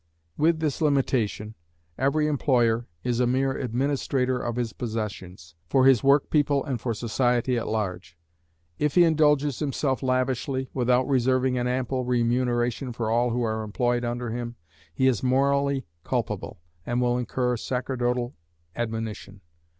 With this limitation, every employer is a mere administrator of his possessions, for his work people and for society at large. If he indulges himself lavishly, without reserving an ample remuneration for all who are employed under him, he is morally culpable, and will incur sacerdotal admonition.